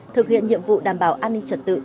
thực hiện nhiệm vụ đảm bảo an ninh trật tự